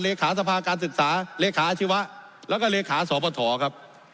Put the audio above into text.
เลขาสภาการศึกษาเลขาอาชีวะแล้วก็เลขาสปฐครับ